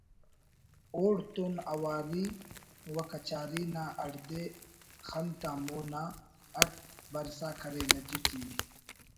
اوڑتون اواری و کچاری نا ہڑدے خن تا مون اٹ برسا کرے نجی ٹی وی